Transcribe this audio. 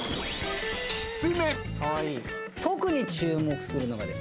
特に注目するのがですね